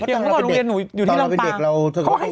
อย่างเมื่อก่อนโรงเรียนหนูอยู่ที่ลำปาง